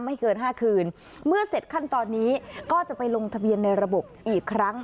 เกินห้าคืนเมื่อเสร็จขั้นตอนนี้ก็จะไปลงทะเบียนในระบบอีกครั้ง